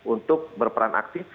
untuk berperan aktif